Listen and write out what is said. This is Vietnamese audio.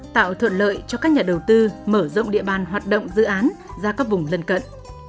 tạo thuận lợi cho các nhà đầu tư mở rộng địa bàn hoạt động dự án ra các vùng lân cận